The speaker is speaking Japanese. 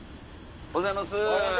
おはようございます。